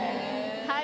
はい。